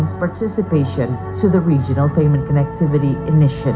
untuk berkomunikasi dengan inisiatif penghubungan pembelian regional